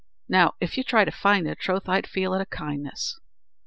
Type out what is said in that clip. Now, if you try to find it, troth, I'd feel it a kindness."